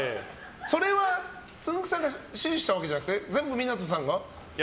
それは、つんく♂さんが指示したわけじゃなくて全部港さんが？